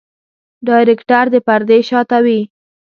ډايرکټر د پردې شاته وي.